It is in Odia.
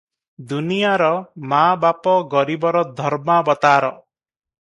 ଦୁନିଆଁର ମା' ବାପ, ଗରିବର ଧର୍ମାବତାର ।